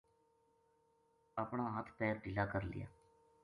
اپنا ہتھ پیر ڈھیلا کر لیا